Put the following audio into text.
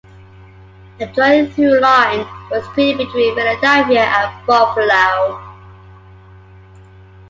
A joint through line was created between Philadelphia and Buffalo.